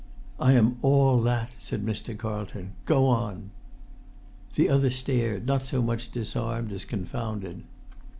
"I am all that," said Mr. Carlton. "Go on!" The other stared, not so much disarmed as confounded.